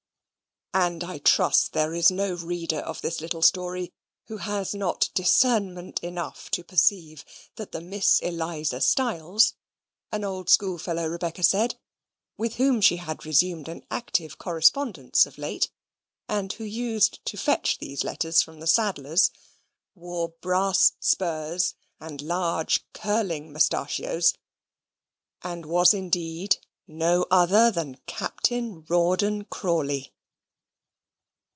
And I trust there is no reader of this little story who has not discernment enough to perceive that the Miss Eliza Styles (an old schoolfellow, Rebecca said, with whom she had resumed an active correspondence of late, and who used to fetch these letters from the saddler's), wore brass spurs, and large curling mustachios, and was indeed no other than Captain Rawdon Crawley.